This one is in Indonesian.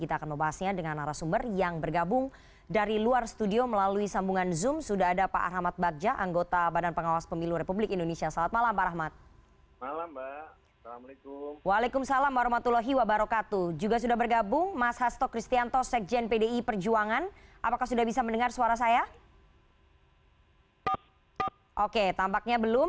apa yang terjadi pak